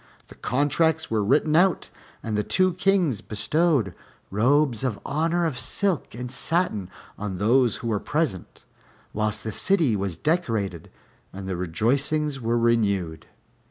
The contracts were written out, and the two Kings bestowed robes of honor of silk and satin on those who were present, whilst the city was decorated and the rejoicings were renewed.